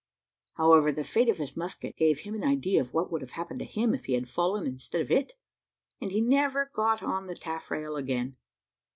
However, the fate of his musket gave him an idea of what would have happened to him, if he had fallen instead of it and he never got on the taffrail again.